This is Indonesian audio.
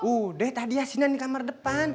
udah tadi hasilnya di kamar depan